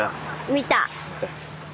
見た。